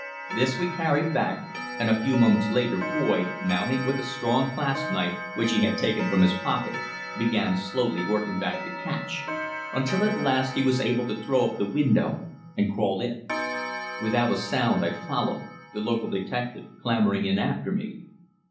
This we carried back, and a few moments later Boyd, mounting, with a strong clasp knife which he had taken from his pocket, began slowly working back the catch, until at last he was able to throw up the window and crawl in. Without a sound I followed, the local detective clambering in after me.